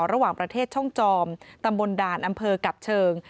ระหว่างประเทศช่องจอมตำบลด่านอำเภอกับเชิง